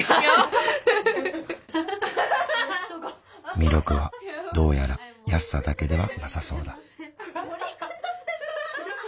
魅力はどうやら安さだけではなさそうだ。